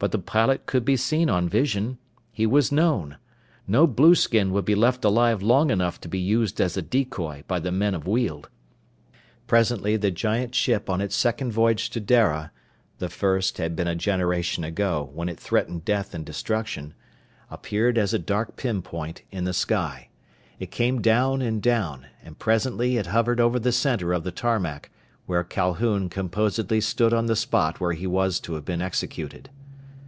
But the pilot could be seen on vision. He was known. No blueskin would be left alive long enough to be used as a decoy by the men of Weald! Presently the giant ship on its second voyage to Dara the first had been a generation ago, when it threatened death and destruction appeared as a dark pinpoint in the sky. It came down and down, and presently it hovered over the center of the tarmac, where Calhoun composedly stood on the spot where he was to have been executed.